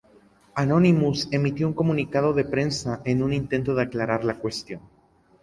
Anonymous emitió un comunicado de prensa en un intento de aclarar la cuestión.